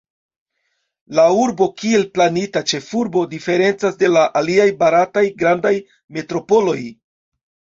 La urbo, kiel planita ĉefurbo, diferencas de la aliaj barataj grandaj metropoloj.